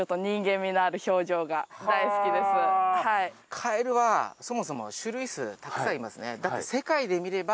カエルはそもそも種類数たくさんいますね。